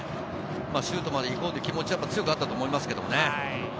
シュートまで行こうという気持ちが強くあったと思います。